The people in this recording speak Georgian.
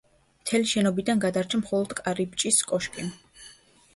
მთელი შენობიდან გადარჩა მხოლოდ კარიბჭის კოშკი.